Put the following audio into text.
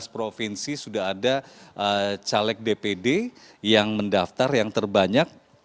tujuh belas provinsi sudah ada caleg dpd yang mendaftar yang terbanyak